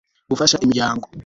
gufasha imiryango